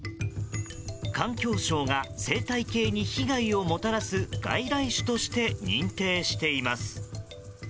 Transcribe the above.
環境省が生態系に被害をもたらす外来種として認定しています。